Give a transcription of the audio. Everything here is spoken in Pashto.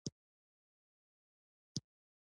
شعر یې په نادرو خیالاتو او مفاهیمو ښکلی و.